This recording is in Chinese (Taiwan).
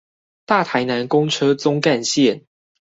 大台南公車棕幹線